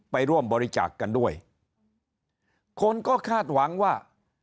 ไปร่วมบริจาคกันด้วยคนก็คาดหวังว่า